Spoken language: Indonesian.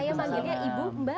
ini saya manggilnya ibu mbak